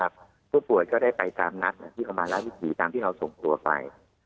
แรกขี้พูดก็ได้ไปตามนัดที่กังวลราคาที่ที่ตามที่เราส่งตัวไป